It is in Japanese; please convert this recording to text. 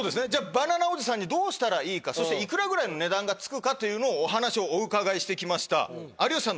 バナナおじさんにどうしたらいいかそして幾らぐらいの値段が付くかというのをお話をお伺いして来ました。